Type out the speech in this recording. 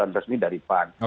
yang resmi dari pan